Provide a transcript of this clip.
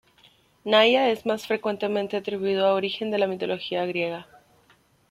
Naia es más frecuentemente atribuido a origen de la mitología griega.